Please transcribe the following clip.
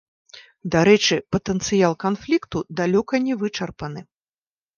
Дарэчы, патэнцыял канфлікту далёка не вычарпаны.